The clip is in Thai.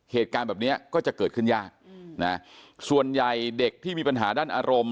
เหตุการณ์แบบเนี้ยก็จะเกิดขึ้นยากนะส่วนใหญ่เด็กที่มีปัญหาด้านอารมณ์